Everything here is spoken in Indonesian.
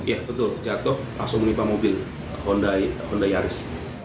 ya betul jatuh langsung menimpa mobil honda yaris